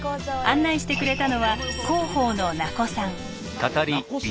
案内してくれたのは広報の名古さん。